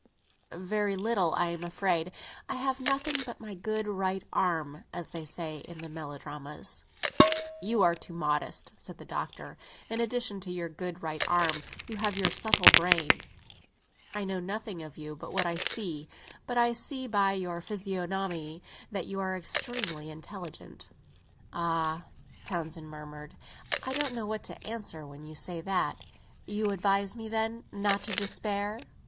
Very little, I am afraid. I have nothing but my good right arm, as they say in the melodramas." "You are too modest," said the Doctor. "In addition to your good right arm, you have your subtle brain. I know nothing of you but what I see; but I see by your physiognomy that you are extremely intelligent." "Ah," Townsend murmured, "I don't know what to answer when you say that! You advise me, then, not to despair?"